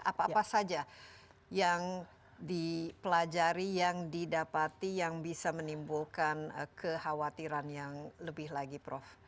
apa apa saja yang dipelajari yang didapati yang bisa menimbulkan kekhawatiran yang lebih lagi prof